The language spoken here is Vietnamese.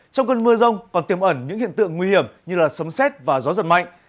trong cơn mưa rông còn tiêm ẩn những hiện tượng nguy hiểm như sống xét và gió giật mạnh